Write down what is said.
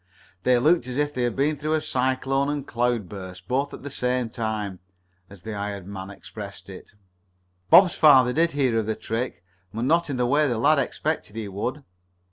They looked as if they had been through a cyclone and cloud burst, both at the same time, as the hired man expressed it. Bob's father did hear of the trick, but not in the way the lad expected he would.